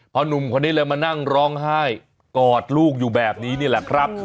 หนุ่มคนนี้เลยมานั่งร้องไห้กอดลูกอยู่แบบนี้นี่แหละครับ